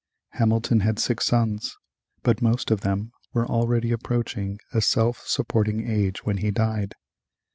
Hamilton had six sons, but most of them were already approaching a self supporting age when he died.